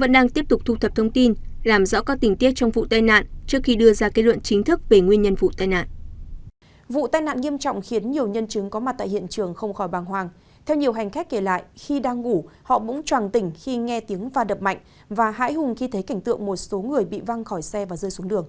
và hãi hùng khi thấy cảnh tượng một số người bị văng khỏi xe và rơi xuống đường